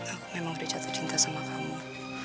aku memang udah jatuh cinta sama kamu